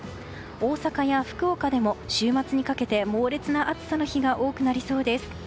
大阪や福岡でも週末にかけて猛烈な暑さの日が多くなりそうです。